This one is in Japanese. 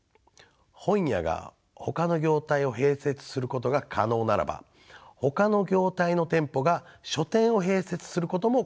本屋がほかの業態を併設することが可能ならばほかの業態の店舗が書店を併設することも可能だからです。